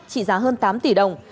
trị giá hơn tám tỷ đồng